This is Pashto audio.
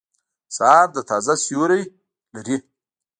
سهار د تازه سیوری لري.